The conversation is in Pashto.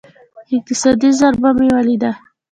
اقتصادي ضربه مې وليده.